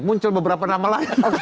muncul beberapa nama lain